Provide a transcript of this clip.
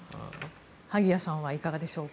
萩谷さんはいかがでしょうか。